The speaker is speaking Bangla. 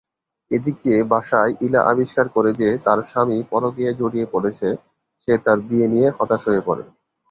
এদিকে বাসায় ইলা আবিষ্কার করে যে তার স্বামী পরকীয়ায় জড়িয়ে পড়েছে, সে তার বিয়ে নিয়ে হতাশ হয়ে পড়ে।